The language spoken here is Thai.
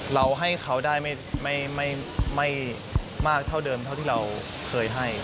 เราให้เขาได้ไม่มากเท่าเดิมเท่าที่เราเคยให้